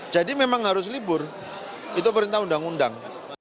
jadi memang harus libur itu perintah undang undang